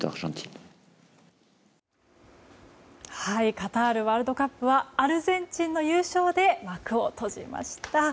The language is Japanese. カタールワールドカップはアルゼンチンの優勝で幕を閉じました。